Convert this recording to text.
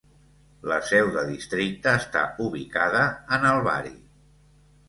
La seu de districte està ubicada a Nalbari.